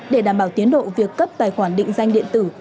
để đảm bảo tiến độ việc cấp tài khoản định danh điện tử